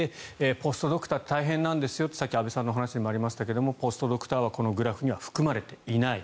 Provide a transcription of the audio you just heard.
ポストドクターって大変なんですよってさっき安部さんのお話にもありましたが、ポストドクターはこのグラフには含まれていない。